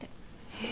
えっ。